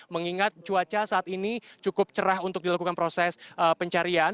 mengingat cuaca saat ini cukup cerah untuk dilakukan proses pencarian